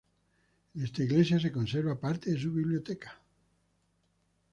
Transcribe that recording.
En esta iglesia se conserva parte de su biblioteca.